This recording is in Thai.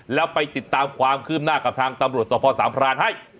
แล้วไปติดตามความคืบหน้ากับทางตำรวจสภสามพรานให้